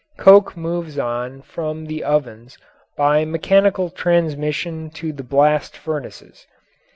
Coke moves on from the ovens by mechanical transmission to the blast furnaces.